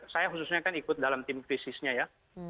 saya khususnya kan ikut dalam tim krisisnya ya